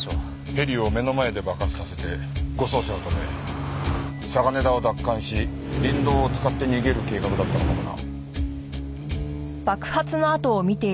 ヘリを目の前で爆発させて護送車を止め嵯峨根田を奪還し林道を使って逃げる計画だったのかもな。